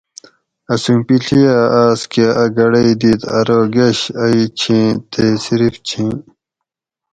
اۤ سوں پیڷی ھہ آۤس کہ اۤ گڑئ دِیت ارو گۤش ائ چھیں تے صرف چھیں